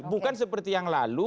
bukan seperti yang lalu